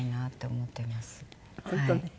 本当ね。